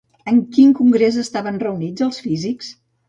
En quin congrés estaven reunits els físics?